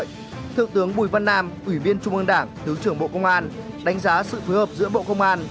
thượng tướng bùi văn nam ủy viên trung ương đảng thứ trưởng bộ công an đánh giá sự phối hợp giữa bộ công an